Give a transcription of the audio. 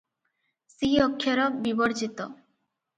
ସି-ଅକ୍ଷର ବିବର୍ଜିତ ।